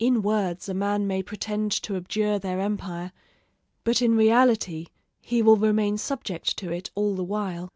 In words a man may pretend to abjure their empire; but in reality he will remain subject to it all the while.